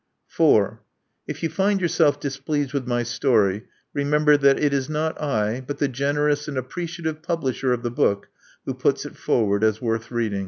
4. If you find yourself displeased with my story, remember that it is not I, but the generous and appreciative publisher of the book, who puts it forward as worth reading.